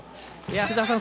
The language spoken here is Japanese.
福澤さん